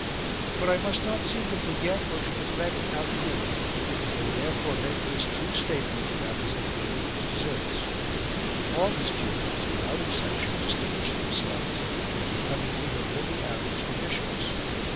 9. But I must not seem to forget or to neglect Alcuin ; and will therefore make this true statement about his energy and his deserts : all his pupils with out exception distinguished themselves by becoming either holy abbots or bishops.